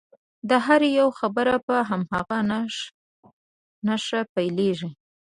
د هر یوه خبره په همدغه نښه پیلیږي.